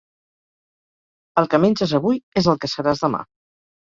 El que menges avui, és el que seràs demà.